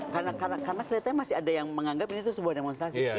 karena kelihatannya masih ada yang menganggap ini tuh sebuah demonstrasi